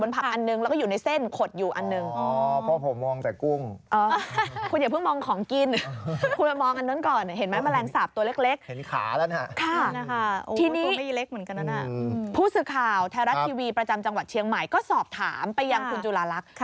ผู้สื่อข่าวไทยรัฐทีวีประจำจังหวัดเชียงใหม่ก็สอบถามไปยังคุณจุลาลักษณ์